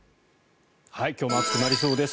今日も暑くなりそうです。